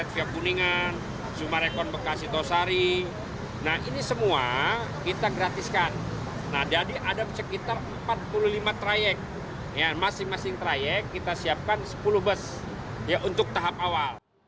dishub juga menyediakan empat puluh tujuh unit bus yang terintegrasi dengan busway